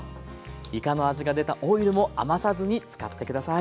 いかの味が出たオイルも余さずに使って下さい。